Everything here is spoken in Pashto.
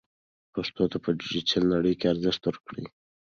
پښتو ته په ډیجیټل نړۍ کې ارزښت ورکړئ.